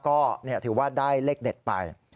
ก็ถือว่าได้เลขเด็ดไป